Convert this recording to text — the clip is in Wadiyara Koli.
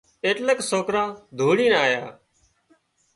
ايٽليڪ سوڪرا ڌوڙينَ آيا